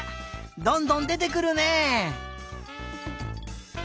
どんどんでてくるね！